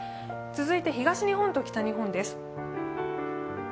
続いて東日本と北日本です。